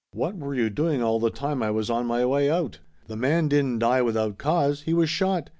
"What were you doing all the time I was on my way out ? The man didn't die without cause. He was shot.